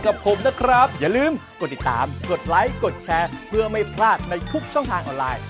กดไลค์กดแชร์เพื่อไม่พลาดในทุกช่องทางออนไลน์